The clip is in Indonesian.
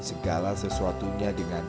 segala sesuatunya dengan